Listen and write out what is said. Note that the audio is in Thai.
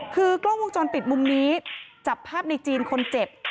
คือกล้องวงจรปิดมุมนี้จับภาพในจีนคนเจ็บ